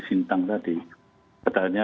sintang tadi datanya